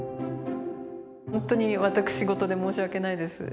本当に私事で申し訳ないです。